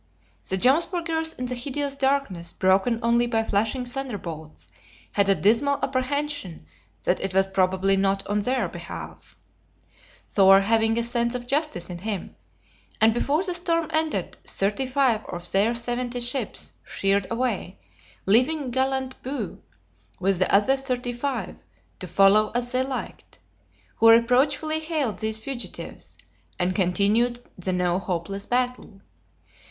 The Jomsburgers in the hideous darkness, broken only by flashing thunder bolts, had a dismal apprehension that it was probably not on their behalf (Thor having a sense of justice in him); and before the storm ended, thirty five of their seventy ships sheered away, leaving gallant Bue, with the other thirty five, to follow as they liked, who reproachfully hailed these fugitives, and continued the now hopeless battle.